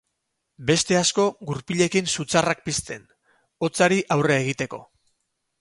Beste asko gurpilekin sutzarrak pizten, hotzari aurre egiteko.